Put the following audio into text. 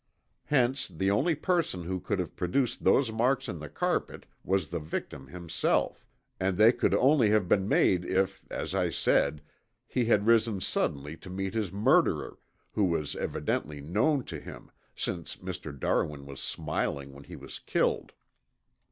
Hence the only person who could have produced those marks in the carpet was the victim himself, and they could only have been made if, as I said, he had risen suddenly to meet his murderer, who was evidently known to him, since Mr. Darwin was smiling when he was killed."